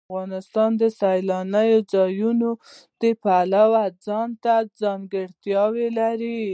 افغانستان د سیلانی ځایونه د پلوه ځانته ځانګړتیا لري.